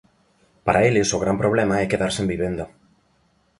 Para eles o gran problema é quedar sen vivenda.